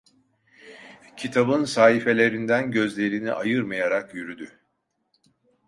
Kitabın sahifelerinden gözlerini ayırmayarak yürüdü.